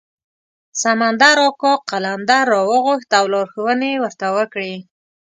سمندر اکا قلندر راوغوښت او لارښوونې یې ورته وکړې.